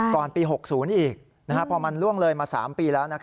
ก่อนปี๖๐อีกพอมันล่วงเลยมา๓ปีแล้ว